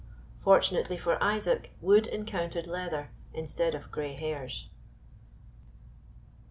Fortunately for Isaac wood encountered leather instead of gray hairs.